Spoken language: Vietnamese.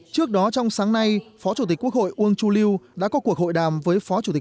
trước đó trong sáng nay phó chủ tịch quốc hội uông chu lưu đã có cuộc hội đàm với phó chủ tịch